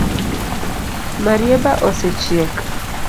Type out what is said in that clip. Marieba osechiek?